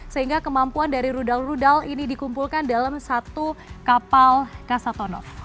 sehingga kemampuan dari rudal rudal ini dikumpulkan dalam satu kapal kasatonov